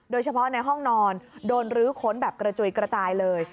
โดยเฉพาะในห้องนอนโดนรื้อค้นแบบกระจุยกระจายเลย